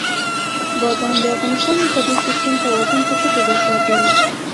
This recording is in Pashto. بادام د افغانستان د طبعي سیسټم توازن په ښه توګه ساتي.